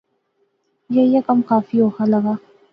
یہ ایہ کم کافی اوخا لغا